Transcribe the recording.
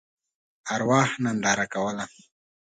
ارواح ننداره کوله.